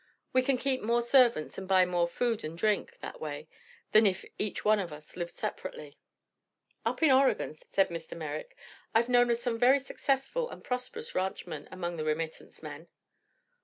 We can keep more servants and buy more food and drink, that way, than if each one of us lived separately." "Up in Oregon," said Mr. Merrick, "I've known of some very successful and prosperous ranchmen among the remittance men."